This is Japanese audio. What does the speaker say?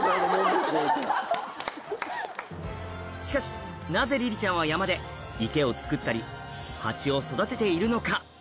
しかしなぜリリちゃんは山で池を作ったりハチを育てているのか？